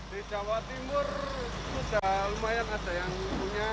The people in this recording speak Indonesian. di jawa timur sudah lumayan ada yang punya